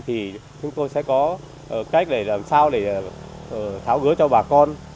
thì chúng tôi sẽ có cách để làm sao để tháo gỡ cho bà con